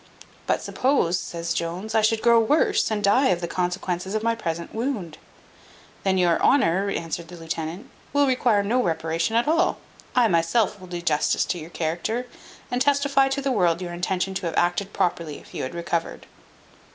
"But suppose," says Jones, "I should grow worse, and die of the consequences of my present wound?" "Then your honour," answered the lieutenant, "will require no reparation at all. I myself will do justice to your character, and testify to the world your intention to have acted properly, if you had recovered."